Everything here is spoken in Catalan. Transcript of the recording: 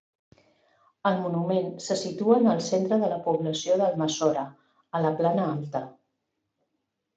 El monument se situa en el centre de la població d'Almassora, a la Plana Alta.